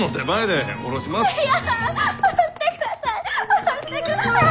下ろしてください！